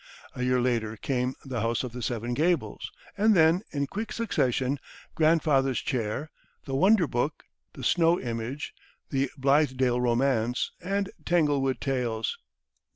A year later came "The House of the Seven Gables," and then, in quick succession, "Grandfather's Chair," "The Wonder Book," "The Snow Image," "The Blithedale Romance," and "Tanglewood Tales."